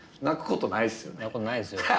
泣くことないんですよ。